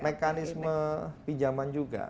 mekanisme pinjaman juga